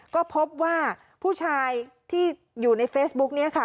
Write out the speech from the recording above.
ก็พบว่าผู้ชายที่อยู่ในเฟซบุ๊กนี้ค่ะ